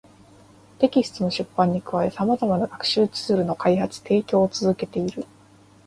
テキストの出版に加え、様々な学習ツールの開発・提供を続けている